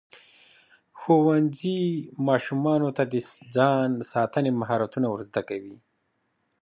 ښوونځی ماشومانو ته د ځان ساتنې مهارتونه ورزده کوي.